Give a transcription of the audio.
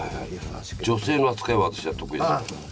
女性の扱いは私は得意です。